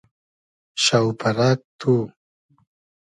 شۆپئرئگ تو